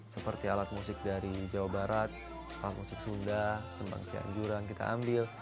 seperti alat musik dari jawa barat musik sunda tembang cianjuran kita ambil